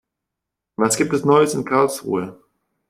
Was gibt es Neues in Karlsruhe?